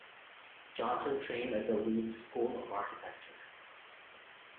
Johnson trained at the Leeds School of Architecture.